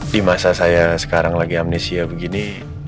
di masa saya sekarang lagi amnesia begini